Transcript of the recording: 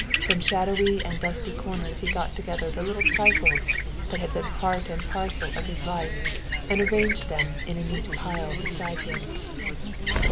From shadowy and dusty corners he got together the little trifles that had been part and parcel of his life and arranged them in a neat pile beside him.